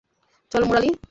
চলো, মুরালী।